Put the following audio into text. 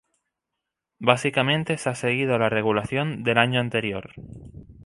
Básicamente, se ha seguido la regulación del año anterior.